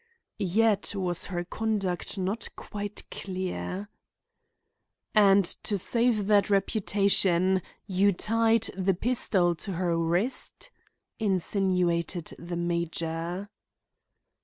Yet was her conduct not quite clear. "And to save that reputation you tied the pistol to her wrist?" insinuated the major.